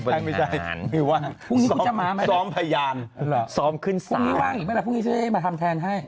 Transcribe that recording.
บริหารพยานพยานมาทำแทนให้